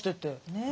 ねえ。